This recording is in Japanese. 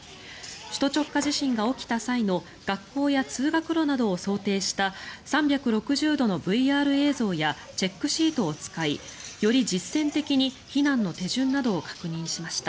首都直下地震が起きた際の学校や通学路などを想定した３６０度のＶＲ映像やチェックシートを使いより実践的に避難の手順などを確認しました。